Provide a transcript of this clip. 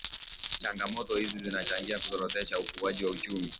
Changamoto hizi zinachangia kuzorotesha ukuaji wa uchumi